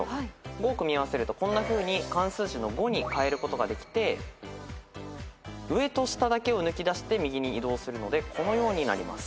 ５を組み合わせるとこんなふうに漢数字の五にかえることができて上と下だけを抜き出して右に移動するのでこのようになります。